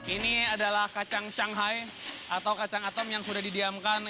ini adalah kacang shanghai atau kacang atom yang sudah didiamkan